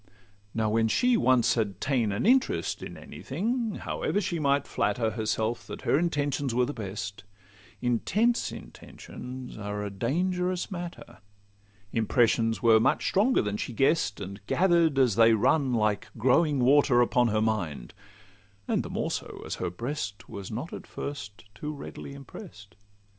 Now when she once had ta'en an interest In any thing, however she might flatter Herself that her intentions were the best, Intense intentions are a dangerous matter: Impressions were much stronger than she guess'd, And gather'd as they run like growing water Upon her mind; the more so, as her breast Was not at first too readily impress'd.